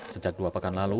sejak dua pekan lalu